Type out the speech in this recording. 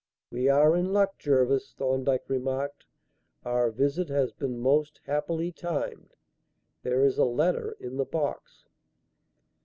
"We are in luck, Jervis," Thorndyke remarked. "Our visit has been most happily timed. There is a letter in the box."